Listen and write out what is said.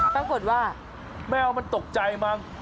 ปรากฏว่าแมวมันตกใจมั้ง